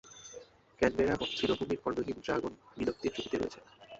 Canberra তৃণভূমির কর্ণহীন dragon বিলুপ্তির ঝুঁকিতে রয়েছে।